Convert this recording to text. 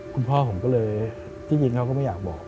คุณพ่อผมก็เลยที่จริงเขาก็ไม่อยากบอก